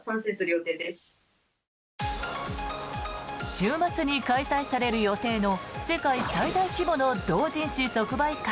週末に開催される予定の世界最大規模の同人誌即売会